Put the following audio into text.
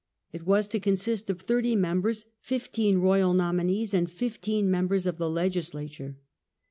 It was to con sist of thirty members, fifteen royal nominees, and fifteen members of the Legislature.